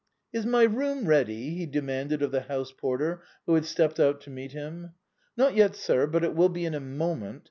" Is my room ready ?" he de manded of the house porter, who had stepped out to meet him. " Not yet, sir, but it will be in a moment.